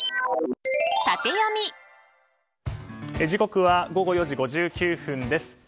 時刻は午後４時５９分です。